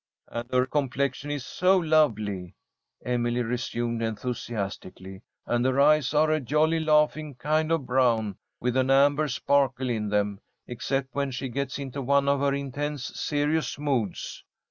"And her complexion is so lovely," Emily resumed, enthusiastically. "And her eyes are a jolly, laughing kind of brown, with an amber sparkle in them, except when she gets into one of her intense, serious moods.